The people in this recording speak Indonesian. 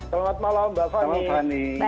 selamat malam mbak fani